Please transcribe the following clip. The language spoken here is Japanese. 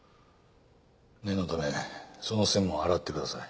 念のためその線も洗ってください。